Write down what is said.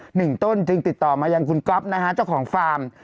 หนึ่งต้นจึงติดต่อมายังคุณก๊อฟนะฮะเจ้าของฟาร์ม